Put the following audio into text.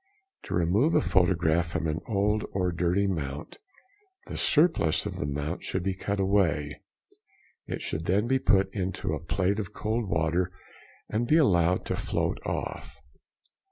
To remove a photograph from an old or dirty mount, the surplus of the mount should be cut away; it should then be put into a plate of cold water and be allowed to float off.